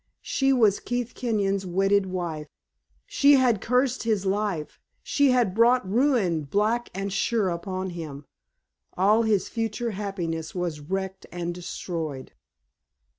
she was Keith Kenyon's wedded wife. She had cursed his life; she had brought ruin black and sure upon him; all his future happiness was wrecked and destroyed.